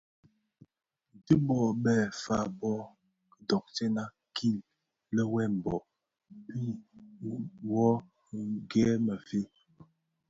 Dhi bō be fa bo kidhotèna kil è wambue pi: wō ghèè më fe?